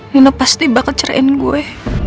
nino pasti bakal cerahin gue